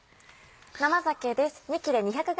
生鮭です。